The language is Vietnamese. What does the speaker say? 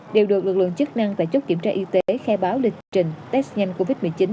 để báo lịch trình test nhanh covid một mươi chín